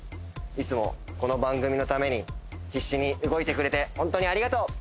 いつもこの番組のために必死に動いてくれてホントにありがとう！